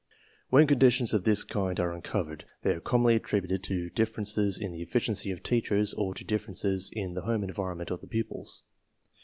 When condi tions of this kind are uncovered, they are commonly attributed to differences in the efficiency of teachers or to differences in the home environment of the pupils.